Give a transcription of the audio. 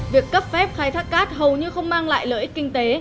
việc cấp phép khai thác cát hầu như không mang lại lợi ích kinh tế